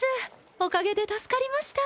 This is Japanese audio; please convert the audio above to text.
おかげで助かりました。